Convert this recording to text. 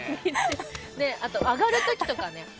あと上がる時とかね。